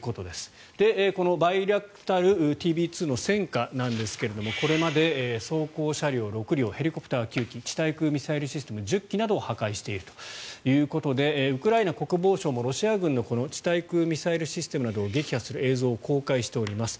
このバイラクタルＴＢ２の戦果なんですがこれまで走行車両６両ヘリコプター９機地対空ミサイルシステム１０基などを破壊しているということでウクライナ国防省もロシア軍の地対空ミサイルシステムを撃破する映像を公開しております。